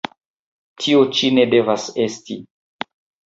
Tio ĉi ne devas esti!